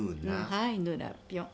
はいぬらぴょん。